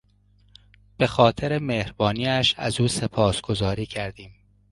به خاطر مهربانیاش از او سپاسگزاری کردیم.